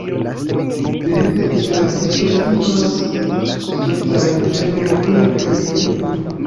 De junaj Esperantistoj kiu faras stultajn aferojn kune kaj tiel plu